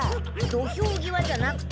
土俵際じゃなくて。